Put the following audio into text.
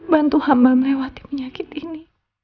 bantu hamba melewati penyakit ini